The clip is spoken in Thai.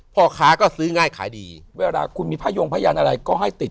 พ่อค้าก็ซื้อง่ายขายดีเวลาคุณมีผ้ายงพยานอะไรก็ให้ติด